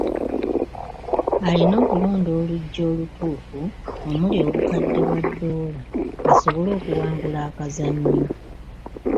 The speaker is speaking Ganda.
Alina okulonda oluggi olutuufu omuli obukadde bwa doola asobole okuwangula akazannyo.